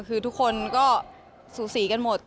คือทุกคนก็สูสีกันหมด